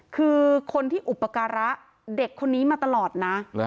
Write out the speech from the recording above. คือคนที่อุปการะเด็กคนนี้มาตลอดนะ